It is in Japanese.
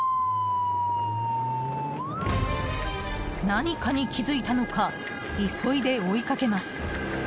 何かに気づいたのか急いで追いかけます。